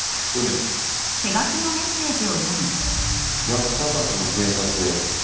「役立たずの警察へ」